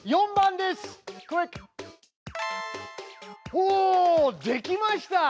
おできました！